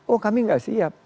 oh kami gak siap